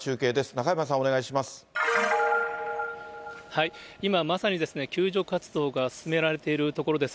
中山さん、今、まさに救助活動が進められているところです。